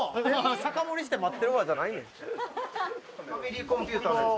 「酒盛りして待ってるわじゃないねん」